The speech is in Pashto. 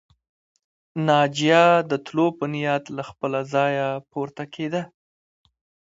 ناجيه د تلو په نيت له خپله ځايه پورته کېده